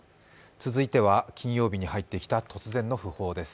続いては金曜日に入ってきた突然の訃報です。